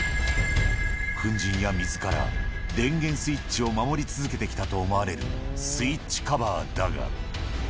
粉じんや水から電源スイッチを守り続けてきたと思われるスイッチカバーだが。